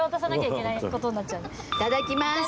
いただきます。